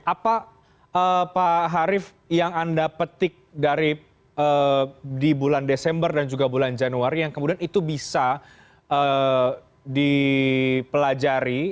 apa pak harif yang anda petik dari di bulan desember dan juga bulan januari yang kemudian itu bisa dipelajari